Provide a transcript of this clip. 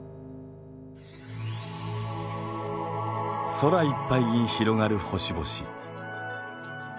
空いっぱいに広がる星々。